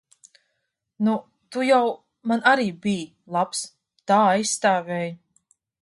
Nu, tu jau man arī biji labs. Tā aizstāvēji.